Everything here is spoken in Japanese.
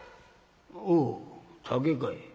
「おう竹かい。